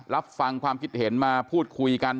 รับฟังความคิดเห็นมาพูดคุยกัน